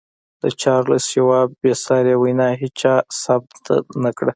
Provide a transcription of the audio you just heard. د چارليس شواب بې ساري وينا هېچا ثبت نه کړه.